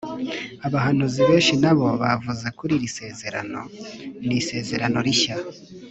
abahanuzi benshi nabo bavuze kuri iri sezerano: “niisezerano rishya,